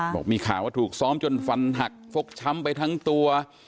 บอกมีข่าวว่าถูกซ้อมจนฟันหักฟกช้ำไปทั้งตัว